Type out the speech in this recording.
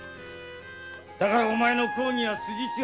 だからお前の抗議は筋違いだ。